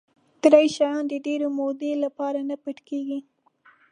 درې شیان د ډېرې مودې لپاره نه پټ کېږي.